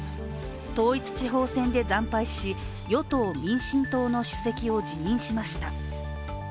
統一地方選で惨敗し、与党・民進党の主席を辞任しました。